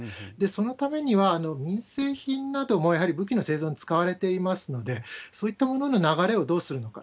そのためには、民生品なども武器の製造に使われていますので、そういったものの流れをどうするのか。